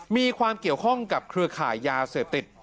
มีความเกี่ยวข้องกับเครือข่ายยาเสพติด